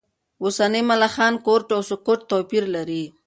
اوسني ملخان کورټ و سکوټ توپیر لري.